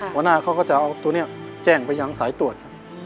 หัวหน้าเขาก็จะเอาตัวนี้แจ้งไปยังสายตรวจครับ